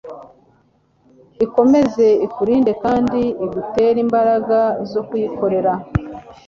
ikomeze ikurinde kandi igutere imbaraga zo kuyikorera